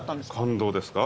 感動ですか？